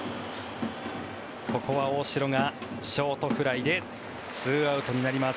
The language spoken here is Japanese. ここは大城がショートフライで２アウトになります。